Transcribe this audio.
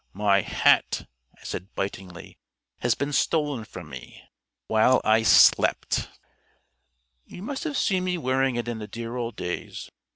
"My hat," I said bitingly, "has been stolen from me while I slept." You must have seen me wearing it in the dear old days.